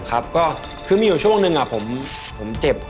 ก็คือมีอยู่ช่วงหนึ่งผมเจ็บ